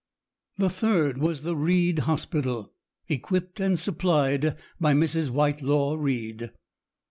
The third was the Reid Hospital, equipped and supplied by Mrs. Whitelaw Reid.